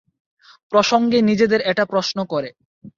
প্রসঙ্গে নিজেদের এটা প্রশ্ন করে।